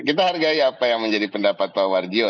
kita hargai apa yang menjadi pendapat pak warjio